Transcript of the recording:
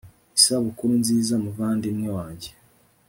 isubukura nziza muvandimwe wange